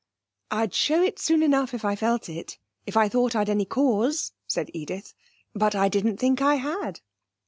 'I'd show it soon enough if I felt it if I thought I'd any cause,' said Edith; 'but I didn't think I had.'